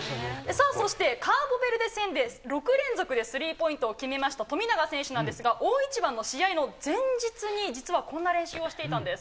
そして、カーボベルデ戦で６連続でスリーポイントを決めました富永選手なんですが、大一番の試合の前日に、実はこんな練習をしていたんです。